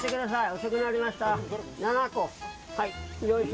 遅くなりました。